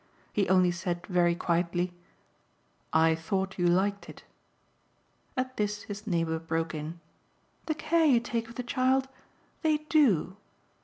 He only said very quietly: "I thought you liked it." At this his neighbour broke in. "The care you take of the child? They DO!"